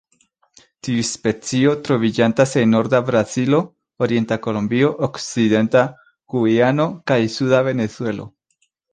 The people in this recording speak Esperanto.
Tiu specio troviĝantas en norda Brazilo, orienta Kolombio, okcidenta Gujano, kaj suda Venezuelo.